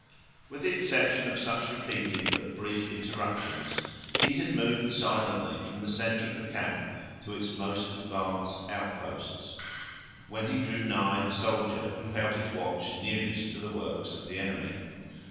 With the exception of such repeated but brief interruptions, he had moved silently from the center of the camp to its most advanced outposts, when he drew nigh the soldier who held his watch nearest to the works of the enemy.